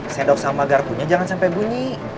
sedop sama garpunya jangan sampai bunyi